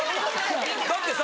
だってさ